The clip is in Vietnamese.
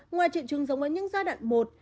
ngoài truyện trưng giống với những giai đoạn một